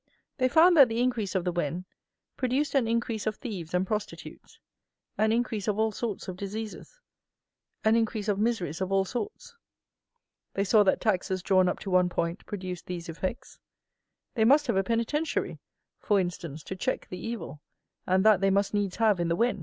They found that the increase of the Wen produced an increase of thieves and prostitutes, an increase of all sorts of diseases, an increase of miseries of all sorts; they saw that taxes drawn up to one point produced these effects; they must have a "penitentiary," for instance, to check the evil, and that they must needs have in the Wen!